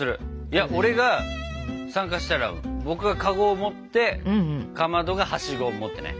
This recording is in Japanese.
いや俺が参加したら僕がカゴを持ってかまどがハシゴを持ってね。